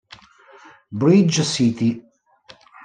Bridge City